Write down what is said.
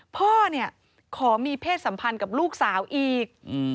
พ่อเนี่ยขอมีเพศสัมพันธ์กับลูกสาวอีก